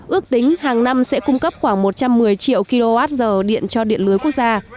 ước tính hàng năm sẽ cung cấp khoảng một trăm một mươi triệu kwh điện cho điện lưới quốc gia